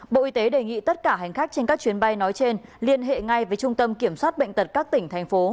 bộ y tế đề nghị tất cả hành khách trên các chuyến bay nói trên liên hệ ngay với trung tâm kiểm soát bệnh tật các tỉnh thành phố